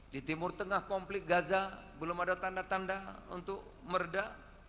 di timur tengah konflik gaza belum ada tanda tanda untuk meredah